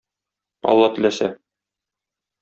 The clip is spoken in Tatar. Алла теләсә